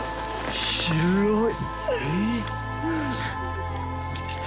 ・白い！